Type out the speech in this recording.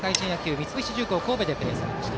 三菱重工神戸でプレーされました。